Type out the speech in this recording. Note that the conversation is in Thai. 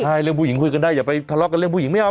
ใช่เรื่องผู้หญิงคุยกันได้อย่าไปทะเลาะกันเรื่องผู้หญิงไม่เอา